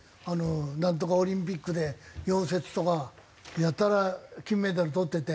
ナントカオリンピックで溶接とかやたら金メダルとってて。